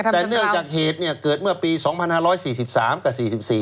แต่เนื่องจากเหตุเกิดเมื่อปี๒๕๔๓กับ๔๔